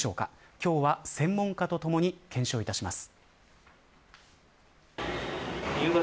今日は専門家とともに検証いたします。